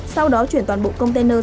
sau đó chuyển toàn bộ container